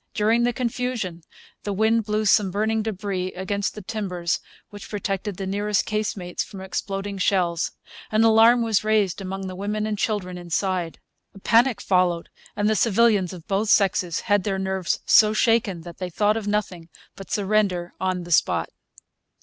During the confusion the wind blew some burning debris against the timbers which protected the nearest casemates from exploding shells. An alarm was raised among the women and children inside. A panic followed; and the civilians of both sexes had their nerves so shaken that they thought of nothing but surrender on the spot.